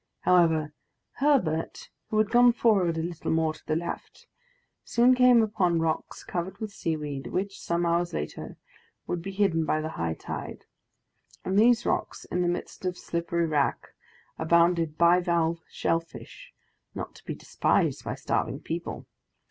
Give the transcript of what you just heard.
However, Herbert, who had gone forward a little more to the left, soon came upon rocks covered with sea weed, which, some hours later, would be hidden by the high tide. On these rocks, in the midst of slippery wrack, abounded bivalve shell fish, not to be despised by starving people.